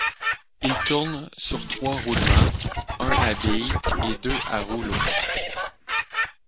Il tourne sur trois roulements, un à billes et deux à rouleaux.